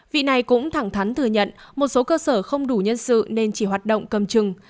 vị này cũng thẳng thắn thừa nhận một số cơ sở không đủ nhân sự nên chỉ hoạt động cầm chừng